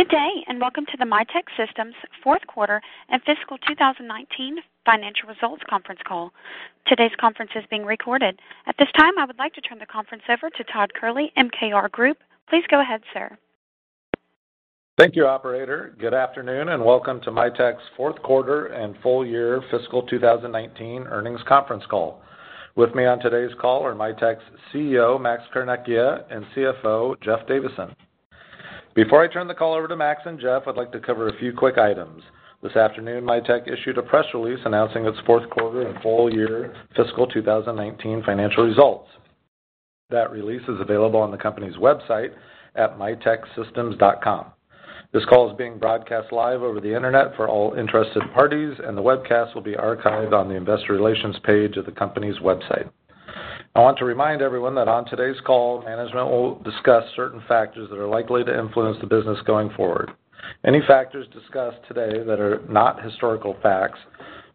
Good day, and welcome to the Mitek Systems fourth quarter and fiscal 2019 financial results conference call. Today's conference is being recorded. At this time, I would like to turn the conference over to Todd Kehrli, MKR Group. Please go ahead, sir. Thank you, operator. Good afternoon, and welcome to Mitek's fourth quarter and full year fiscal 2019 earnings conference call. With me on today's call are Mitek's CEO, Max Carnecchia, and CFO, Jeff Davison. Before I turn the call over to Max and Jeff, I'd like to cover a few quick items. This afternoon, Mitek issued a press release announcing its fourth quarter and full year fiscal 2019 financial results. That release is available on the company's website at miteksystems.com. This call is being broadcast live over the internet for all interested parties, and the webcast will be archived on the investor relations page of the company's website. I want to remind everyone that on today's call, management will discuss certain factors that are likely to influence the business going forward. Any factors discussed today that are not historical facts,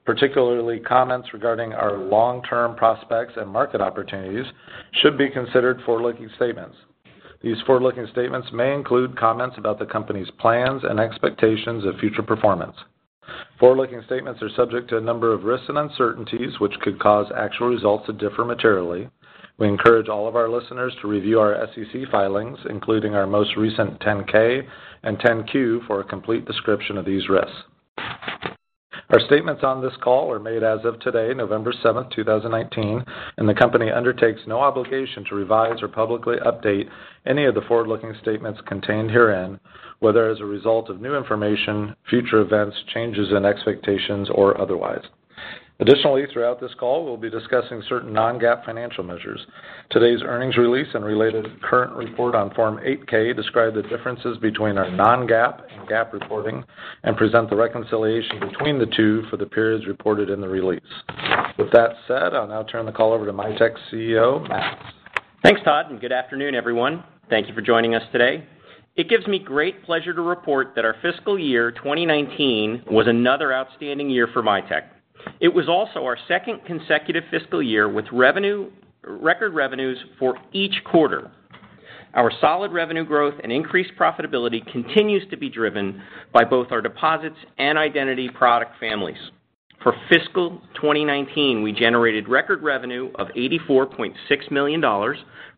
particularly comments regarding our long-term prospects and market opportunities, should be considered forward-looking statements. These forward-looking statements may include comments about the company's plans and expectations of future performance. Forward-looking statements are subject to a number of risks and uncertainties, which could cause actual results to differ materially. We encourage all of our listeners to review our SEC filings, including our most recent 10-K and 10-Q, for a complete description of these risks. Our statements on this call are made as ofttoday, November 7th, 2019, and the company undertakes no obligation to revise or publicly update any of the forward-looking statements contained herein, whether as a result of new information, future events, changes in expectations, or otherwise. Additionally, throughout this call, we'll be discussing certain non-GAAP financial measures. Today's earnings release and related current report on Form 8-K describe the differences between our non-GAAP and GAAP reporting and present the reconciliation between the two for the periods reported in the release. With that said, I'll now turn the call over to Mitek's CEO, Max. Thanks, Todd. Good afternoon, everyone. Thank you for joining us today. It gives me great pleasure to report that our fiscal year 2019 was another outstanding year for Mitek. It was also our second consecutive fiscal year with record revenues for each quarter. Our solid revenue growth and increased profitability continues to be driven by both our deposits and identity product families. For fiscal 2019, we generated record revenue of $84.6 million,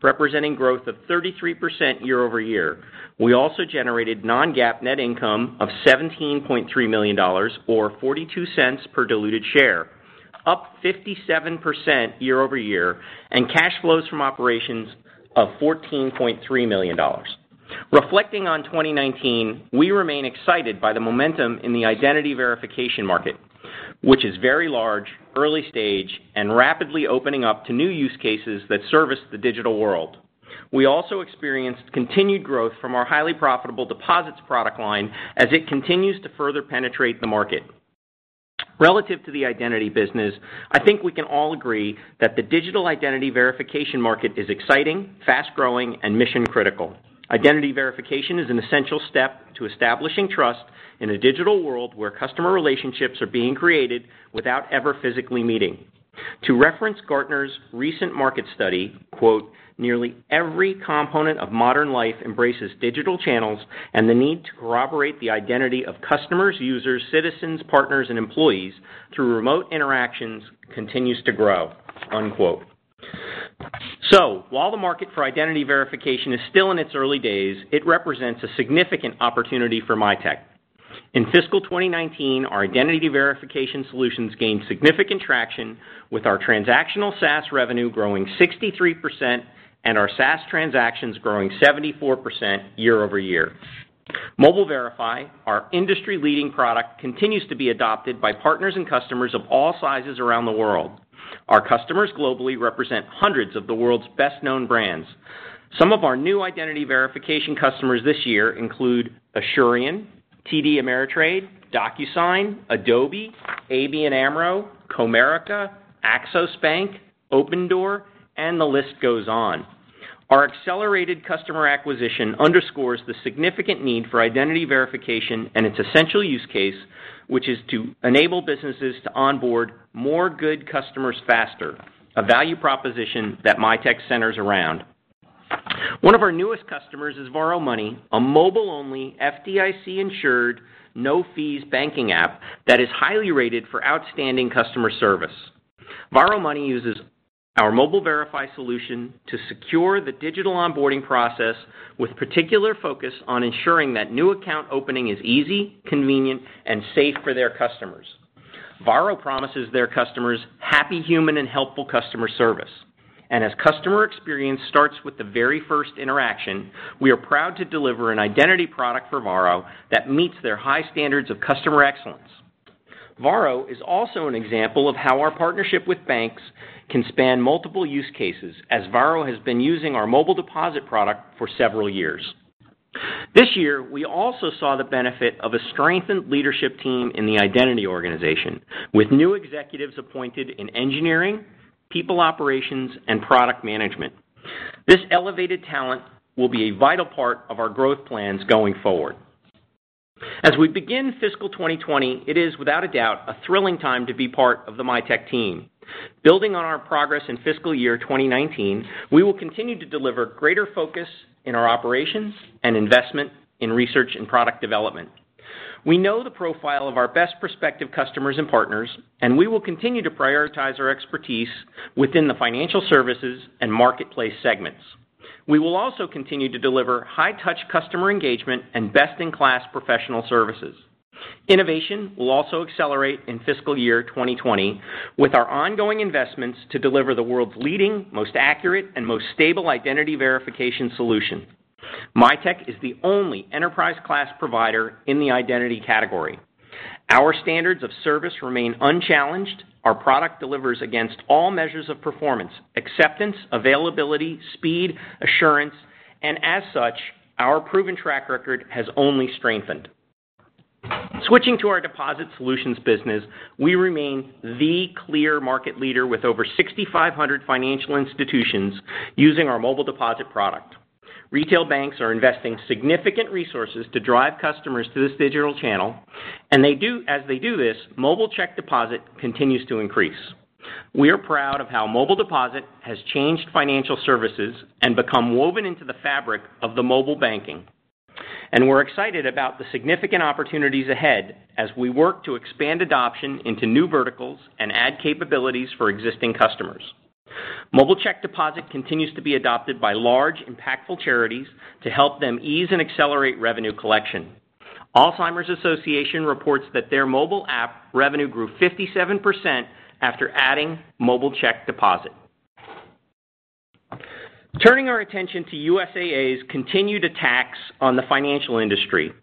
representing growth of 33% year-over-year. We also generated non-GAAP net income of $17.3 million, or $0.42 per diluted share, up 57% year-over-year, and cash flows from operations of $14.3 million. Reflecting on 2019, we remain excited by the momentum in the identity verification market, which is very large, early-stage, and rapidly opening up to new use cases that service the digital world. We also experienced continued growth from our highly profitable deposits product line as it continues to further penetrate the market. Relative to the identity business, I think we can all agree that the digital identity verification market is exciting, fast-growing, and mission-critical. Identity verification is an essential step to establishing trust in a digital world where customer relationships are being created without ever physically meeting. To reference Gartner's recent market study, quote, "Nearly every component of modern life embraces digital channels, and the need to corroborate the identity of customers, users, citizens, partners, and employees through remote interactions continues to grow." Unquote. While the market for identity verification is still in its early days, it represents a significant opportunity for Mitek. In fiscal 2019, our identity verification solutions gained significant traction with our transactional SaaS revenue growing 63% and our SaaS transactions growing 74% year-over-year. Mobile Verify, our industry-leading product, continues to be adopted by partners and customers of all sizes around the world. Our customers globally represent hundreds of the world's best-known brands. Some of our new identity verification customers this year include Asurion, TD Ameritrade, Docusign, Adobe, ABN AMRO, Comerica, Axos Bank, Opendoor, and the list goes on. Our accelerated customer acquisition underscores the significant need for identity verification and its essential use case, which is to enable businesses to onboard more good customers faster, a value proposition that Mitek centers around. One of our newest customers is Varo Money, a mobile-only, FDIC-insured, no-fees banking app that is highly rated for outstanding customer service. Varo Money uses our Mobile Verify solution to secure the digital onboarding process with particular focus on ensuring that new account opening is easy, convenient, and safe for their customers. Varo promises their customers happy, human, and helpful customer service. As customer experience starts with the very first interaction, we are proud to deliver an identity product for Varo that meets their high standards of customer excellence. Varo is also an example of how our partnership with banks can span multiple use cases, as Varo has been using our Mobile Deposit product for several years. This year, we also saw the benefit of a strengthened leadership team in the identity organization, with new executives appointed in engineering, people operations, and product management. This elevated talent will be a vital part of our growth plans going forward. As we begin fiscal 2020, it is without a doubt a thrilling time to be part of the Mitek team. Building on our progress in fiscal year 2019, we will continue to deliver greater focus in our operations and investment in research and product development. We know the profile of our best prospective customers and partners, and we will continue to prioritize our expertise within the financial services and marketplace segments. We will also continue to deliver high-touch customer engagement and best-in-class professional services. Innovation will also accelerate in fiscal year 2020 with our ongoing investments to deliver the world's leading, most accurate, and most stable identity verification solution. Mitek is the only enterprise-class provider in the identity category. Our standards of service remain unchallenged. Our product delivers against all measures of performance, acceptance, availability, speed, assurance, and as such, our proven track record has only strengthened. Switching to our Deposit Solutions Business, we remain the clear market leader with over 6,500 financial institutions using our Mobile Deposit product. Retail banks are investing significant resources to drive customers to this digital channel, and as they do this, mobile check deposit continues to increase. We are proud of how Mobile Deposit has changed financial services and become woven into the fabric of mobile banking. We're excited about the significant opportunities ahead as we work to expand adoption into new verticals and add capabilities for existing customers. Mobile Deposit continues to be adopted by large impactful charities to help them ease and accelerate revenue collection. Alzheimer's Association reports that their mobile app revenue grew 57% after adding Mobile Deposit. Turning our attention to USAA's continued attacks on the financial industry.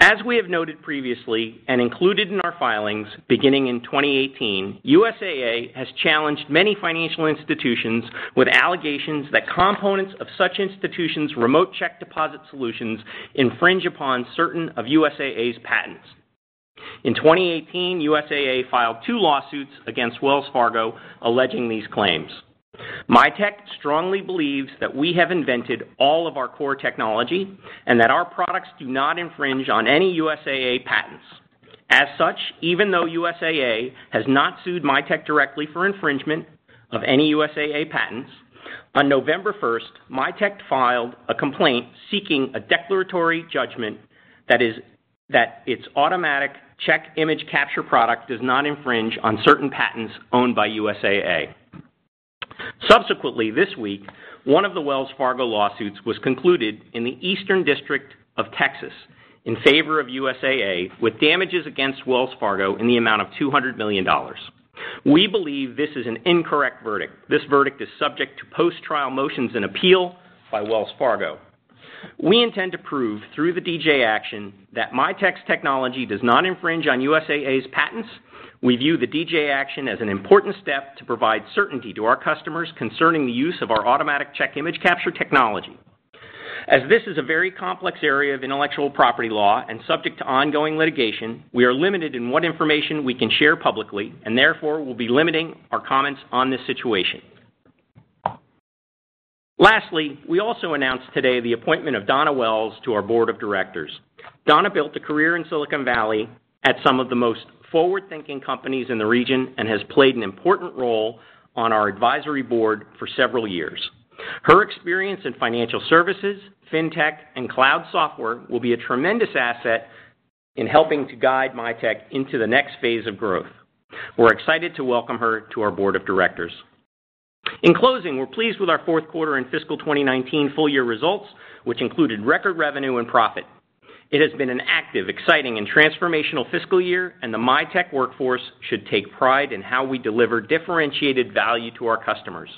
As we have noted previously and included in our filings beginning in 2018, USAA has challenged many financial institutions with allegations that components of such institutions' remote check deposit solutions infringe upon certain of USAA's patents. In 2018, USAA filed two lawsuits against Wells Fargo alleging these claims. Mitek strongly believes that we have invented all of our core technology and that our products do not infringe on any USAA patents. As such, even though USAA has not sued Mitek directly for infringement of any USAA patents, on November 1st, Mitek filed a complaint seeking a declaratory judgment that its automatic check image capture product does not infringe on certain patents owned by USAA. Subsequently, this week, one of the Wells Fargo lawsuits was concluded in the Eastern District of Texas in favor of USAA with damages against Wells Fargo in the amount of $200 million. We believe this is an incorrect verdict. This verdict is subject to post-trial motions and appeal by Wells Fargo. We intend to prove through the DJ action that Mitek's technology does not infringe on USAA's patents. We view the DJ action as an important step to provide certainty to our customers concerning the use of our automatic check image capture technology. As this is a very complex area of intellectual property law and subject to ongoing litigation, we are limited in what information we can share publicly, and therefore, we'll be limiting our comments on this situation. Lastly, we also announced today the appointment of Donna Wells to our board of directors. Donna built a career in Silicon Valley at some of the most forward-thinking companies in the region and has played an important role on our advisory board for several years. Her experience in financial services, fintech, and cloud software will be a tremendous asset in helping to guide Mitek into the next phase of growth. We're excited to welcome her to our board of directors. In closing, we're pleased with our fourth quarter and fiscal 2019 full-year results, which included record revenue and profit. It has been an active, exciting, and transformational fiscal year, and the Mitek workforce should take pride in how we deliver differentiated value to our customers.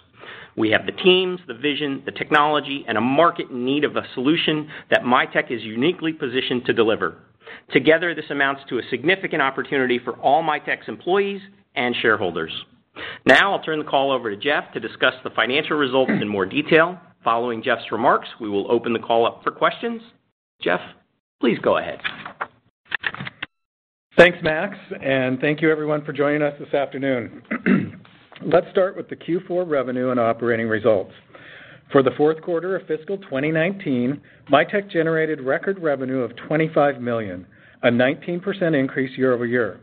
We have the teams, the vision, the technology, and a market in need of a solution that Mitek is uniquely positioned to deliver. Together, this amounts to a significant opportunity for all Mitek's employees and shareholders. Now, I'll turn the call over to Jeff to discuss the financial results in more detail. Following Jeff's remarks, we will open the call up for questions. Jeff, please go ahead. Thanks, Max, and thank you everyone, for joining us this afternoon. Let's start with the Q4 revenue and operating results. For the fourth quarter of fiscal 2019, Mitek generated record revenue of $25 million, a 19% increase year-over-year.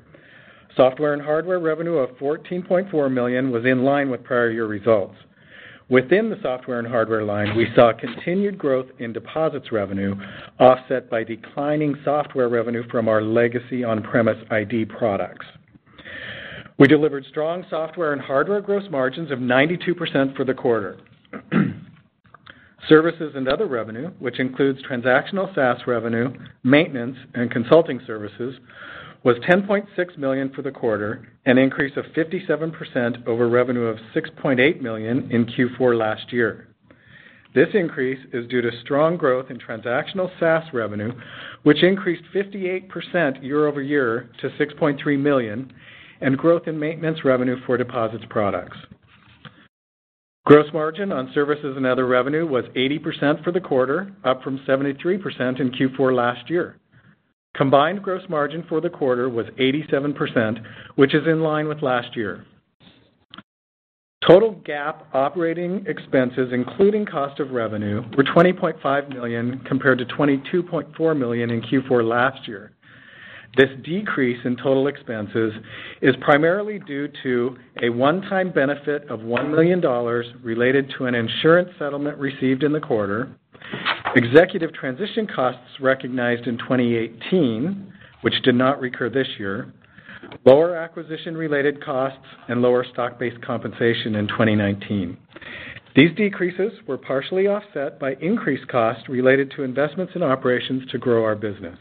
Software and hardware revenue of $14.4 million was in line with prior year results. Within the software and hardware line, we saw continued growth in deposits revenue offset by declining software revenue from our legacy on-premise ID products. We delivered strong software and hardware gross margins of 92% for the quarter. Services and other revenue, which includes transactional SaaS revenue, maintenance, and consulting services, was $10.6 million for the quarter, an increase of 57% over revenue of $6.8 million in Q4 last year. This increase is due to strong growth in transactional SaaS revenue, which increased 58% year-over-year to $6.3 million, and growth in maintenance revenue for deposits products. Gross margin on services and other revenue was 80% for the quarter, up from 73% in Q4 last year. Combined gross margin for the quarter was 87%, which is in line with last year. Total GAAP operating expenses, including cost of revenue, were $20.5 million compared to $22.4 million in Q4 last year. This decrease in total expenses is primarily due to a one-time benefit of $1 million related to an insurance settlement received in the quarter, executive transition costs recognized in 2018, which did not recur this year, lower acquisition-related costs, and lower stock-based compensation in 2019. These decreases were partially offset by increased costs related to investments in operations to grow our business.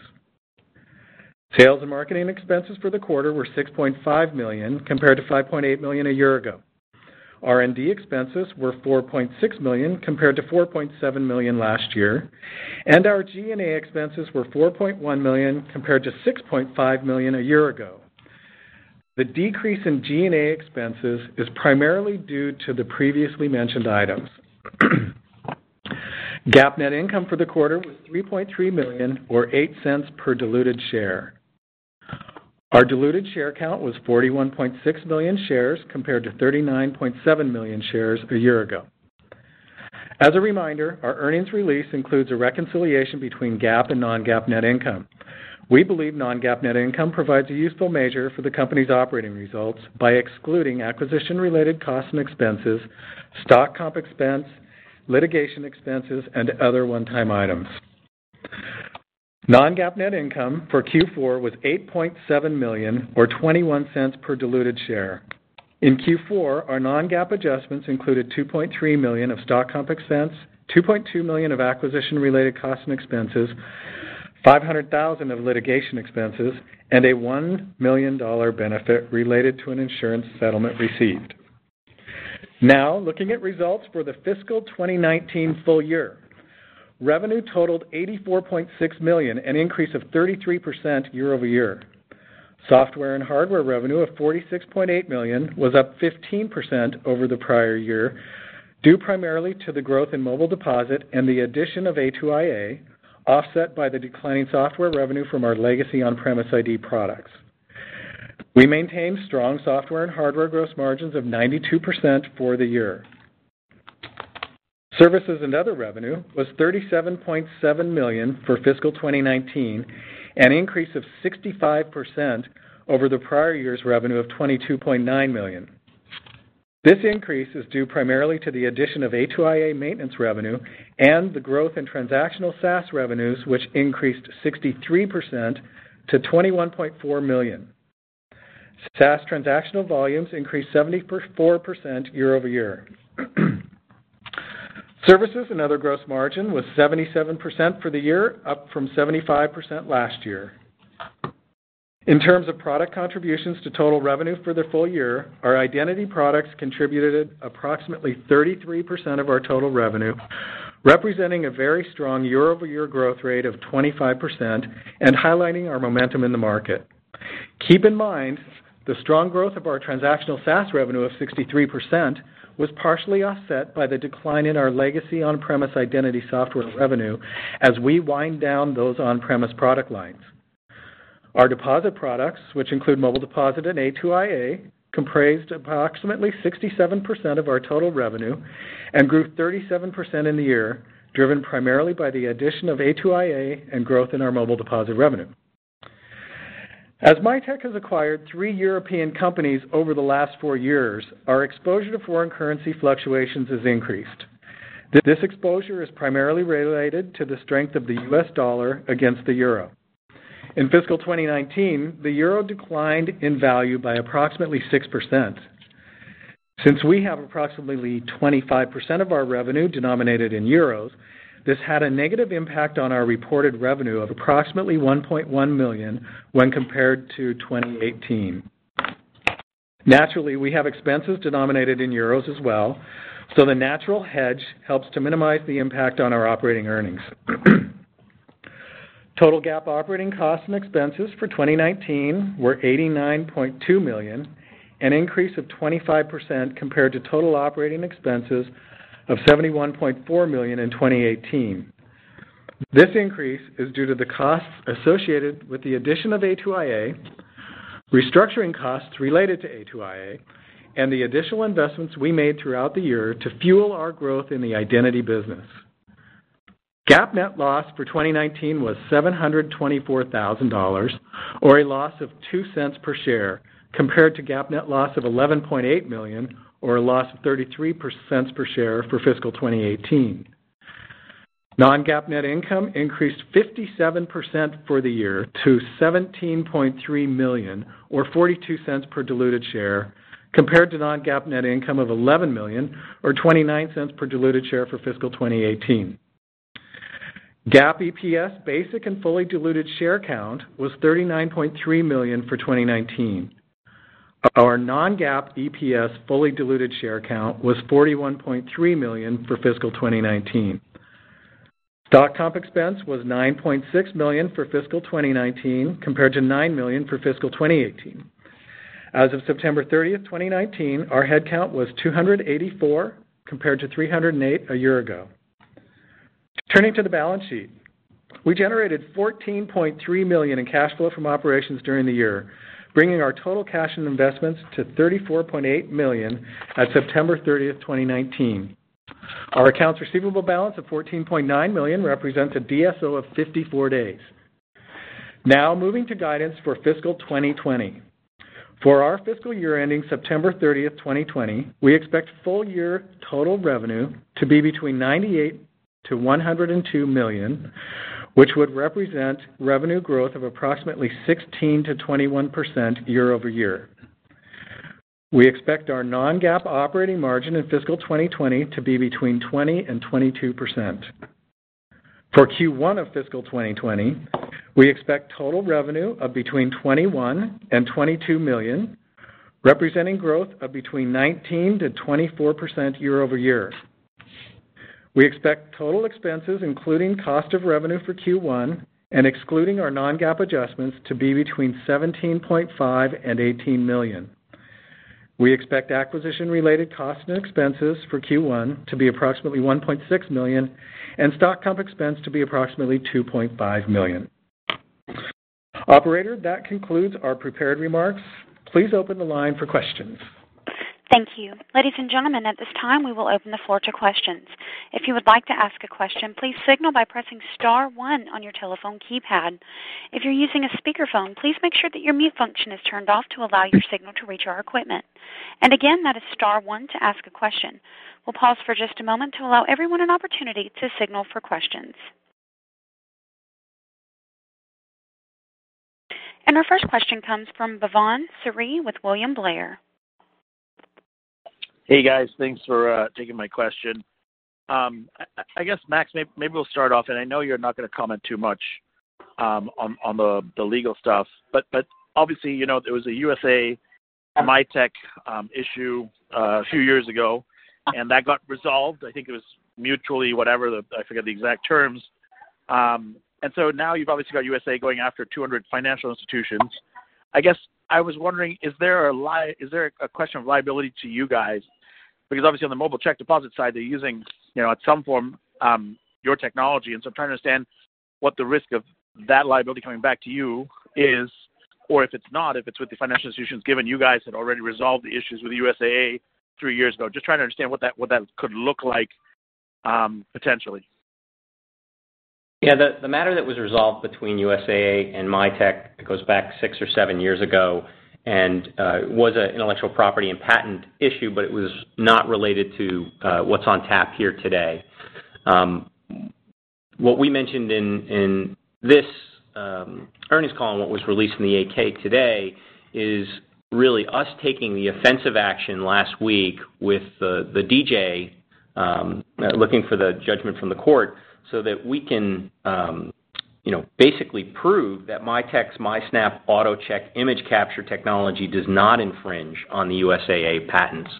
Sales and marketing expenses for the quarter were $6.5 million compared to $5.8 million a year ago. R&D expenses were $4.6 million compared to $4.7 million last year, and our G&A expenses were $4.1 million compared to $6.5 million a year ago. The decrease in G&A expenses is primarily due to the previously mentioned items. GAAP net income for the quarter was $3.3 million or $0.08 per diluted share. Our diluted share count was $41.6 million shares compared to $39.7 million shares a year ago. As a reminder, our earnings release includes a reconciliation between GAAP and non-GAAP net income. We believe non-GAAP net income provides a useful measure for the company's operating results by excluding acquisition-related costs and expenses, stock comp expense, litigation expenses, and other one-time items. Non-GAAP net income for Q4 was $8.7 million or $0.21 per diluted share. In Q4, our non-GAAP adjustments included $2.3 million of stock comp expense, $2.2 million of acquisition-related costs and expenses, $500,000 of litigation expenses, and a $1 million benefit related to an insurance settlement received. Now, looking at results for the fiscal 2019 full year. Revenue totaled $84.6 million, an increase of 33% year-over-year. Software and hardware revenue of $46.8 million was up 15% over the prior year, due primarily to the growth in Mobile Deposit and the addition of A2iA, offset by the declining software revenue from our legacy on-premise ID products. We maintained strong software and hardware gross margins of 92% for the year. Services and other revenue was $37.7 million for fiscal 2019, an increase of 65% over the prior year's revenue of $22.9 million. This increase is due primarily to the addition of A2iA maintenance revenue and the growth in transactional SaaS revenues, which increased 63% to $21.4 million. SaaS transactional volumes increased 74% year-over-year. Services and other gross margin was 77% for the year, up from 75% last year. In terms of product contributions to total revenue for the full year, our identity products contributed approximately 33% of our total revenue, representing a very strong year-over-year growth rate of 25% and highlighting our momentum in the market. Keep in mind, the strong growth of our transactional SaaS revenue of 63% was partially offset by the decline in our legacy on-premise identity software revenue as we wind down those on-premise product lines. Our deposit products, which include Mobile Deposit and A2iA, comprised approximately 67% of our total revenue and grew 37% in the year, driven primarily by the addition of A2iA and growth in our Mobile Deposit revenue. As Mitek has acquired three European companies over the last four years, our exposure to foreign currency fluctuations has increased. This exposure is primarily related to the strength of the U.S. dollar against the euro. In fiscal 2019, the euro declined in value by approximately 6%. We have approximately 25% of our revenue denominated in euros, this had a negative impact on our reported revenue of approximately $1.1 million when compared to 2018. Naturally, we have expenses denominated in euros as well, the natural hedge helps to minimize the impact on our operating earnings. Total GAAP operating costs and expenses for 2019 were $89.2 million, an increase of 25% compared to total operating expenses of $71.4 million in 2018. This increase is due to the costs associated with the addition of A2iA, restructuring costs related to A2iA, and the additional investments we made throughout the year to fuel our growth in the identity business. GAAP net loss for 2019 was $724,000, or a loss of $0.02 per share, compared to GAAP net loss of $11.8 million, or a loss of $0.33 per share for fiscal 2018. Non-GAAP net income increased 57% for the year to $17.3 million, or $0.42 per diluted share, compared to non-GAAP net income of $11 million or $0.29 per diluted share for fiscal 2018. GAAP EPS basic and fully diluted share count was 39.3 million for 2019. Our non-GAAP EPS fully diluted share count was 41.3 million for fiscal 2019. Stock comp expense was $9.6 million for fiscal 2019 compared to $9 million for fiscal 2018. As of September 30th, 2019, our headcount was 284 compared to 308 a year ago. Turning to the balance sheet. We generated $14.3 million in cash flow from operations during the year, bringing our total cash and investments to $34.8 million at September 30th, 2019. Our accounts receivable balance of $14.9 million represents a DSO of 54 days. Now moving to guidance for fiscal 2020. For our fiscal year ending September 30th, 2020, we expect full year total revenue to be between $98 million-$102 million, which would represent revenue growth of approximately 16%-21% year over year. We expect our non-GAAP operating margin in fiscal 2020 to be between 20% and 22%. For Q1 of fiscal 2020, we expect total revenue of between $21 million and $22 million, representing growth of between 19%-24% year-over-year. We expect total expenses, including cost of revenue for Q1 and excluding our non-GAAP adjustments, to be between $17.5 million and $18 million. We expect acquisition-related costs and expenses for Q1 to be approximately $1.6 million and stock comp expense to be approximately $2.5 million. Operator, that concludes our prepared remarks. Please open the line for questions. Thank you. Ladies and gentlemen, at this time, we will open the floor to questions. If you would like to ask a question, please signal by pressing star one on your telephone keypad. If you're using a speakerphone, please make sure that your mute function is turned off to allow your signal to reach our equipment. Again, that is star one to ask a question. We'll pause for just a moment to allow everyone an opportunity to signal for questions. Our first question comes from Bhavan Suri with William Blair. Hey, guys. Thanks for taking my question. I guess, Max, maybe we'll start off. I know you're not going to comment too much on the legal stuff. Obviously, there was a USAA Mitek issue a few years ago, and that got resolved. I think it was mutually whatever, I forget the exact terms. Now you've obviously got USAA going after 200 financial institutions. I guess I was wondering, is there a question of liability to you guys? Obviously, on the Mobile Deposit side, they're using, at some form, your technology. I'm trying to understand what the risk of that liability coming back to you is, or if it's not, if it's with the financial institutions, given you guys had already resolved the issues with USAA three years ago. Just trying to understand what that could look like potentially. The matter that was resolved between USAA and Mitek, it goes back six or seven years ago and was an intellectual property and patent issue, but it was not related to what's on tap here today. What we mentioned in this earnings call and what was released in the 8-K today is really us taking the offensive action last week with the DJ, looking for the judgment from the court so that we can basically prove that Mitek's MiSnap auto check image capture technology does not infringe on the USAA patents.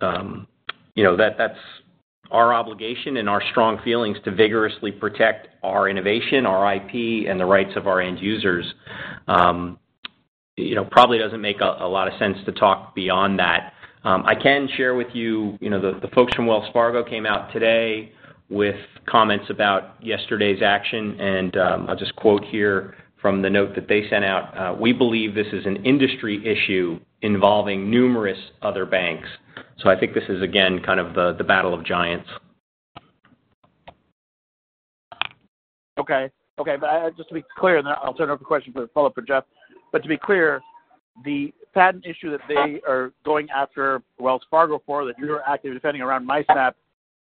That's our obligation and our strong feelings to vigorously protect our innovation, our IP, and the rights of our end users. It probably doesn't make a lot of sense to talk beyond that. I can share with you, the folks from Wells Fargo came out today with comments about yesterday's action, and I'll just quote here from the note that they sent out. "We believe this is an industry issue involving numerous other banks." I think this is, again, kind of the battle of giants. Okay. Just to be clear, and then I'll turn it over for a question for the follow-up for Jeff. To be clear, the patent issue that they are going after Wells Fargo for that you're actively defending around MiSnap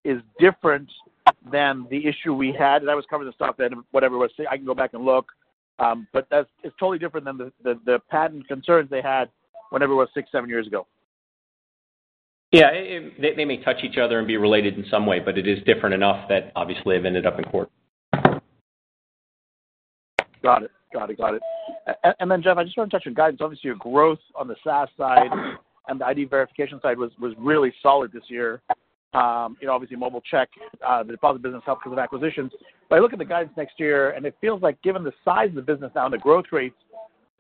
is different than the issue we had. I was covering the stuff then, whatever it was. I can go back and look. It's totally different than the patent concerns they had whenever it was six, seven years ago. Yeah. They may touch each other and be related in some way, but it is different enough that obviously have ended up in court. Got it. Then Jeff, I just want to touch on guidance. Obviously, your growth on the SaaS side and the ID verification side was really solid this year. Obviously mobile check, the deposit business helped because of acquisitions. I look at the guidance next year, and it feels like given the size of the business now and the growth rates,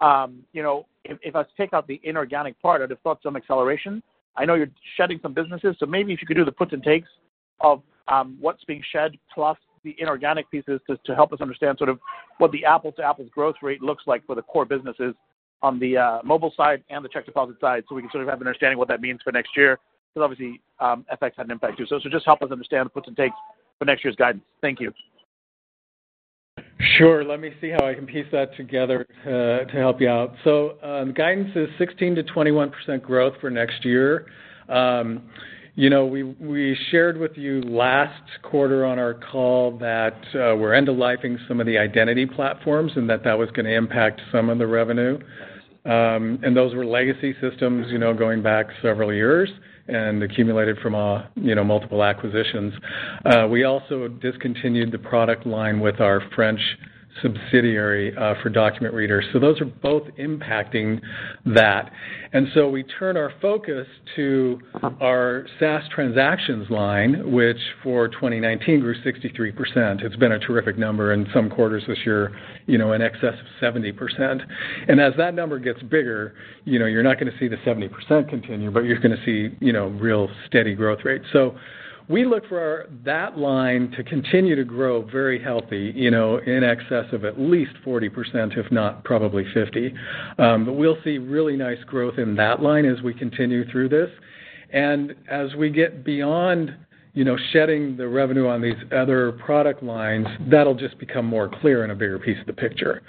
if I take out the inorganic part, I'd have thought some acceleration. I know you're shedding some businesses, maybe if you could do the puts and takes of what's being shed plus the inorganic pieces just to help us understand sort of what the apples-to-apples growth rate looks like for the core businesses on the mobile side and the check deposit side so we can sort of have an understanding what that means for next year because obviously FX had an impact too. Just help us understand the puts and takes for next year's guidance. Thank you. Sure. Let me see how I can piece that together to help you out. Guidance is 16%-21% growth for next year. We shared with you last quarter on our call that we're end-of-lifing some of the identity platforms and that that was going to impact some of the revenue. Those were legacy systems going back several years and accumulated from multiple acquisitions. We also discontinued the product line with our French subsidiary for document readers. Those are both impacting that. We turn our focus to our SaaS transactions line, which for 2019 grew 63%. It's been a terrific number in some quarters this year in excess of 70%. As that number gets bigger, you're not going to see the 70% continue, but you're going to see real steady growth rates. We look for that line to continue to grow very healthy in excess of at least 40%, if not probably 50%. We'll see really nice growth in that line as we continue through this. As we get beyond shedding the revenue on these other product lines, that'll just become more clear and a bigger piece of the picture.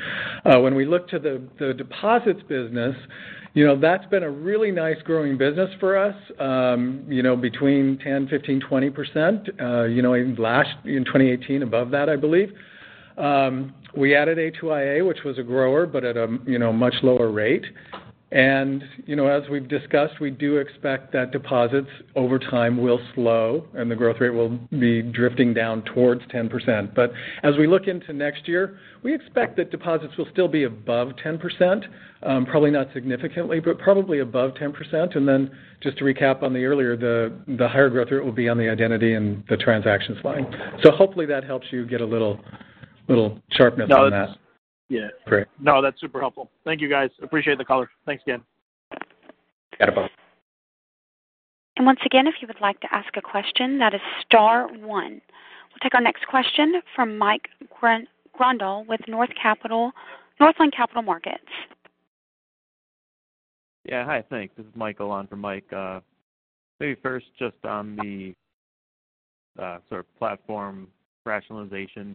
When we look to the deposits business, that's been a really nice growing business for us between 10%, 15%, 20%, in 2018 above that, I believe. We added A2iA, which was a grower, but at a much lower rate. As we've discussed, we do expect that deposits over time will slow, and the growth rate will be drifting down towards 10%. As we look into next year, we expect that deposits will still be above 10%, probably not significantly, but probably above 10%. Just to recap on the earlier, the higher growth rate will be on the identity and the transactions line. Hopefully that helps you get a little sharpness on that. Yeah. Great. No, that's super helpful. Thank you, guys. Appreciate the color. Thanks again. Got it, bud. Once again, if you would like to ask a question, that is star one. We'll take our next question from Mike Grondahl with Northland Capital Markets. Yeah. Hi, thanks. This is Mike Grondahl for Mike. Maybe first just on the sort of platform rationalization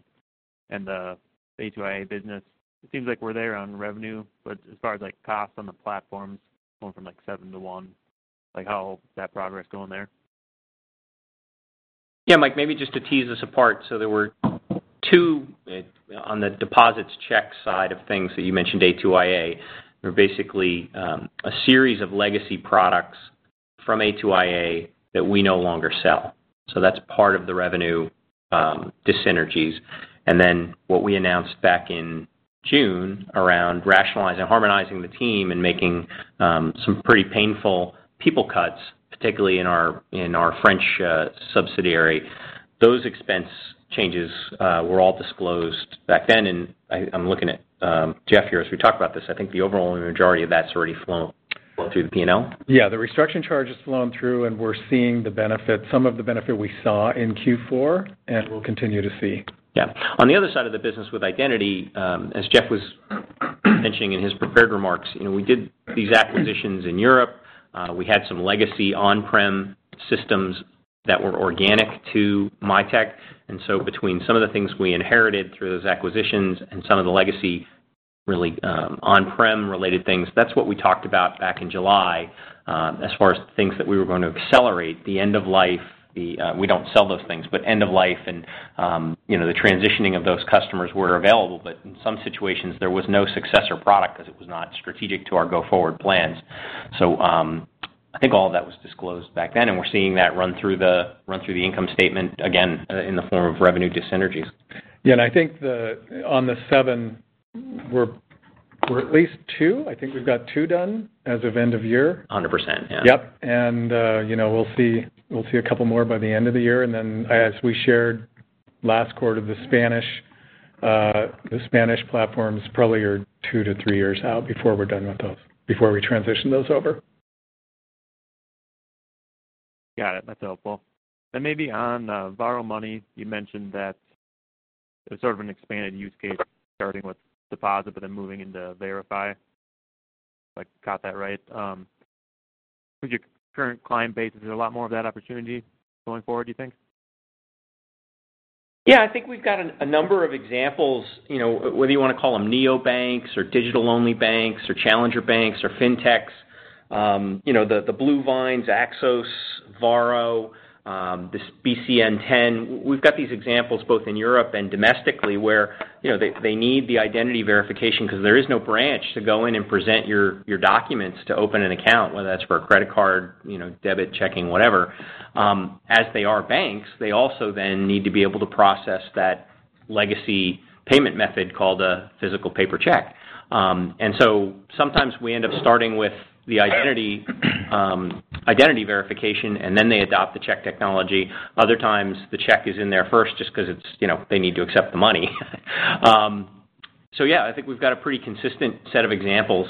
and the A2iA business. It seems like we're there on revenue, but as far as like cost on the platforms going from like seven to one, how that progress going there? Yeah, Mike, maybe just to tease this apart. There were two on the deposits check side of things that you mentioned, A2iA. There were basically a series of legacy products from A2iA that we no longer sell. That's part of the revenue dyssynergies. Then what we announced back in June around rationalizing, harmonizing the team and making some pretty painful people cuts, particularly in our French subsidiary. Those expense changes were all disclosed back then. I'm looking at Jeff here as we talk about this. I think the overwhelming majority of that's already flown through the P&L. Yeah. The restructuring charge has flown through and we're seeing the benefit, some of the benefit we saw in Q4 and we'll continue to see. Yeah. On the other side of the business with identity, as Jeff was mentioning in his prepared remarks, we did these acquisitions in Europe. We had some legacy on-prem systems that were organic to Mitek. Between some of the things we inherited through those acquisitions and some of the legacy really on-prem related things, that's what we talked about back in July as far as things that we were going to accelerate the end of life. We don't sell those things, but end of life and the transitioning of those customers were available. In some situations there was no successor product because it was not strategic to our go forward plans. I think all that was disclosed back then and we're seeing that run through the income statement again in the form of revenue dyssynergies. Yeah. I think on the seven we're at least two. I think we've got two done as of end of year. 100%. Yeah. Yep. We'll see a couple more by the end of the year as we shared last quarter, the Spanish platforms probably are two to three years out before we transition those over. Got it. That's helpful. Maybe on Varo Money you mentioned that it was sort of an expanded use case starting with deposit but then moving into verify. If I got that right. With your current client base is there a lot more of that opportunity going forward do you think? Yeah, I think we've got a number of examples whether you want to call them neobanks or digital only banks or challenger banks or fintechs. The Bluevine, Axos, Varo, this BCN 10. We've got these examples both in Europe and domestically where they need the identity verification because there is no branch to go in and present your documents to open an account whether that's for a credit card, debit, checking, whatever. As they are banks they also then need to be able to process that legacy payment method called a physical paper check. Sometimes we end up starting with the identity verification and then they adopt the check technology. Other times the check is in there first just because they need to accept the money. Yeah, I think we've got a pretty consistent set of examples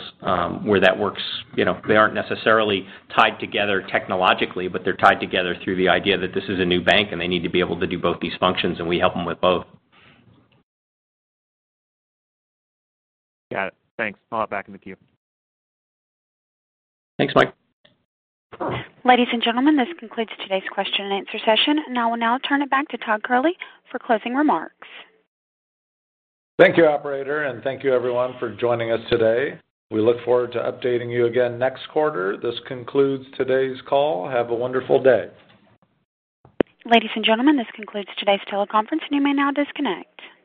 where that works. They aren't necessarily tied together technologically but they're tied together through the idea that this is a new bank and they need to be able to do both these functions and we help them with both. Got it. Thanks. I'll hop back in the queue. Thanks Mike. Ladies and gentlemen, this concludes today's question and answer session. I will now turn it back to Todd Kehrli for closing remarks. Thank you operator and thank you everyone for joining us today. We look forward to updating you again next quarter. This concludes today's call. Have a wonderful day. Ladies and gentlemen, this concludes today's teleconference and you may now disconnect.